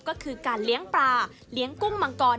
ก็คือการเลี้ยงปลาเลี้ยงกุ้งมังกร